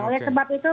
oleh sebab itu